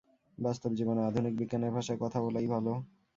বাস্তব জীবনে আধুনিক বিজ্ঞানের ভাষায় কথা বলাই ভাল।